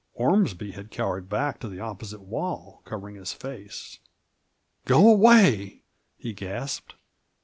Ormsby had cowered back to the opposite wall, cov ering his face. " Go away I " he gasped.